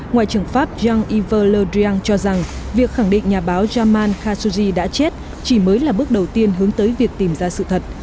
ngoại trưởng pháp jean yves le drian cho rằng việc khẳng định nhà báo jamal khashoggi đã chết chỉ mới là bước đầu tiên hướng tới việc tìm ra sự thật